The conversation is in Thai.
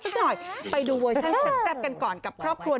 เดี๋ยวจะโดนโป่งโป่งโป่งโป่งโป่ง